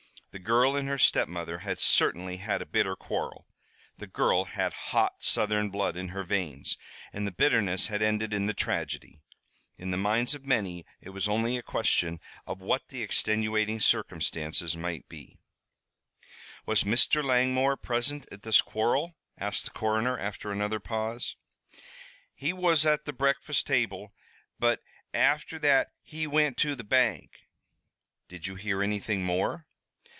The girl and her stepmother had certainly had a bitter quarrel, the girl had hot Southern blood in her veins, and the bitterness had ended in the tragedy. In the minds of many it was only a question of what the extenuating circumstances might be. "Was Mr. Langmore present at this quarrel?" asked the coroner, after another pause. "He was at the breakfast table, but afther that he wint to the bank." "Did you hear anything more?"